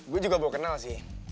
gue juga mau kenal sih